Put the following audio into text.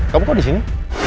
kamu kok di sini